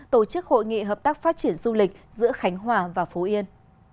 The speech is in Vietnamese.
tổ chức hội nghị hợp tác phát triển du lịch giữa khánh hòa và phú yên